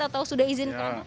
atau sudah izinkan